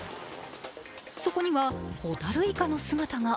そこには、ホタルイカの姿が。